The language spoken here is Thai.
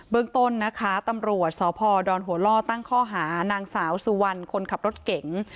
เรื่องต้นนะคะตำรวจสพดหัวล่อตั้งข้อหานางสาวสุวรรณคนขับรถเก๋ง